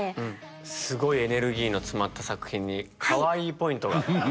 すごいエネルギーの詰まった作品にかわいいポイントがあると。